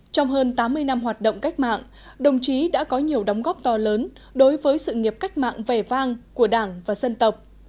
trong hơn tám mươi năm hoạt động cách mạng đồng chí đã có nhiều đóng góp to lớn đối với sự nghiệp cách mạng vẻ vang của đảng và dân tộc